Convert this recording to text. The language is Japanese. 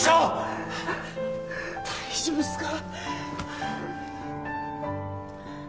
大丈夫っすか？